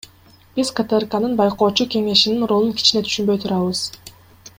Биз КТРКнын байкоочу кеңешинин ролун кичине түшүнбөй турабыз.